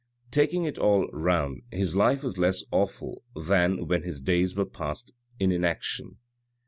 Taking it all round, his life was less awful than when his days were passed in inaction.